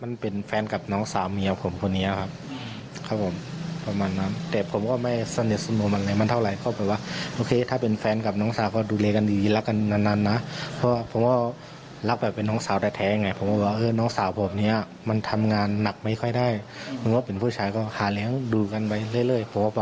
น่ารักดีฉลาดเก่งครับผมเป็นคนที่ฉลาดเก่งครับ